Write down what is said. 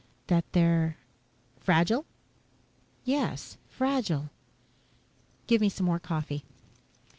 "That they're ..." "Fragile?" "Yes fragile." "Give me some more coffee."